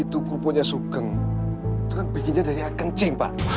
itu kupunya sugeng itu kan bikinnya dari kencing pak